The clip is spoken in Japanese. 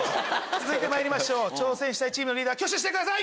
続いて挑戦したいチームのリーダー挙手してください！